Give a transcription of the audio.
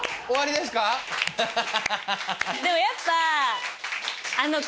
でもやっぱ。